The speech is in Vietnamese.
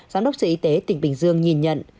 giám đốc sở y tế tỉnh bình dương nhìn nhận